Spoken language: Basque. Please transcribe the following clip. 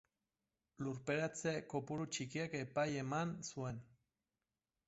Lurperatze kopuru txikiak epaia eman zuen.